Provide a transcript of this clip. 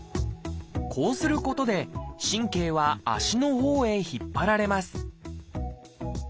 こうすることで神経は足のほうへ引っ張られます